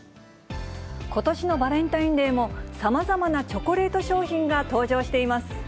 ことしのバレンタインデーも、さまざまなチョコレート商品が登場しています。